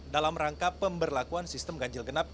dalam rangka pemberlakuan sistem ganjil genap